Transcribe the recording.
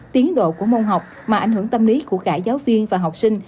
tiến độ của môn học mà ảnh hưởng tâm lý của cả giáo viên và học sinh